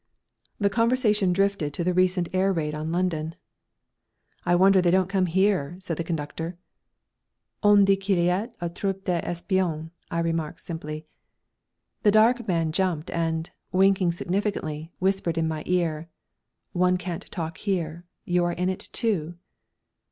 The conversation drifted to the recent air raid on London. "I wonder they don't come here," said the conductor. "On dit qu'il y a trop d'espions!" I remarked simply. The dark man jumped, and, winking significantly, whispered in my ear: "One can't talk here. You are in it too?"